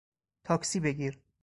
تاکسی بگیر